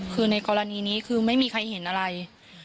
คือในกรณีนี้คือไม่มีใครเห็นอะไร